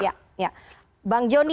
ya ya bang joni